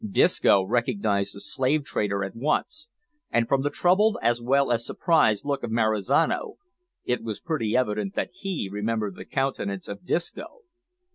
Disco recognised the slave trader at once, and, from the troubled as well as surprised look of Marizano, it was pretty evident that he remembered the countenance of Disco.